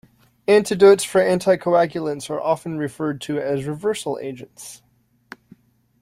Antidotes for anticoagulants are often referred to as reversal agents.